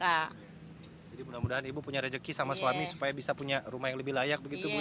jadi mudah mudahan ibu punya rezeki sama suami supaya bisa punya rumah yang lebih layak begitu bu ya